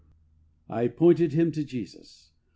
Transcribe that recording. I pointed him to Jesus.